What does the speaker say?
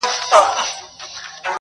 o نه له ما سره غمی دی چا لیدلی,